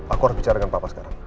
aku harus bicara dengan papa sekarang